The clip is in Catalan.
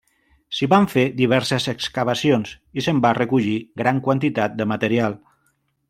S'hi van fer diverses excavacions i se'n va recollir gran quantitat de material.